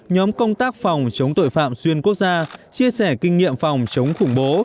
nhóm công tác phòng chống tội phạm xuyên quốc gia chia sẻ kinh nghiệm phòng chống khủng bố